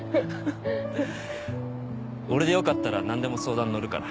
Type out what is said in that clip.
俺でよかったら何でも相談乗るから。